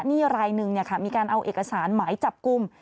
รายหนึ่งมีการเอาเอกสารหมายจับกลุ่ม